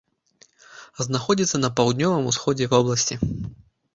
Знаходзіцца на паўднёвым усходзе вобласці.